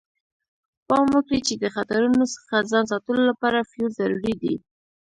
پام وکړئ چې د خطرونو څخه ځان ساتلو لپاره فیوز ضروري دی.